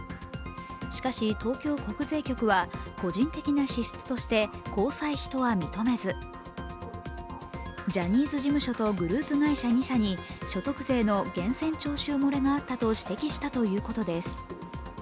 しかし、東京国税局は個人的な支出として交際費とは認めずジャニーズ事務所とグループ会社２社に所得税の源泉徴収漏れがあったと指摘したということです。